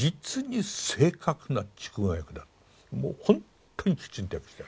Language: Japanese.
もうほんとにきちんと訳してある。